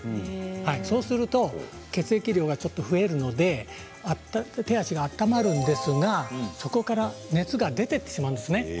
そうすると血液量がちょっと増えるので手足が温まるんですがそこから熱が出てしまうんですね。